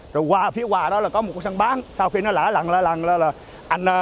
rồi qua phía qua đó là có một sân bán sau khi nó lỡ là